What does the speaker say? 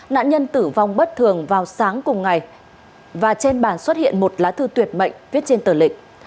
nạn nhân tử vong bất thường vào sáng cùng ngày và trên bàn xuất hiện một lá thư tuyệt mệnh viết trên tờ lịch